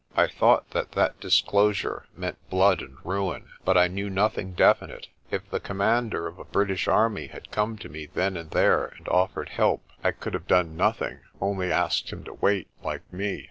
I thought that that disclosure meant blood and ruin. But I knew nothing definite. If the commander of a British army had come to me then and there and offered help, I could have done nothing, only asked him to wait like me.